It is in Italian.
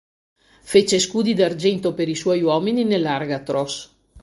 Fece scudi d'argento per i suoi uomini nell'Argatros.